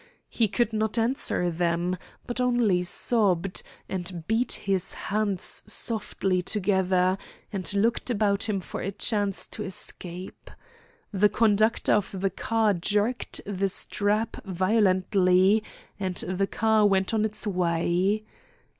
He could not answer them, but only sobbed, and beat his hands softly together, and looked about him for a chance to escape. The conductor of the car jerked the strap violently, and the car went on its way.